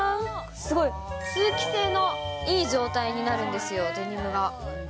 すごい、通気性のいい状態になるんですよ、デニムが。